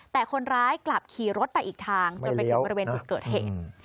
แต่คนร้ายกลับขี่รถไปอีกทางจนไปถึงบริเวณจุดเกิดเหตุ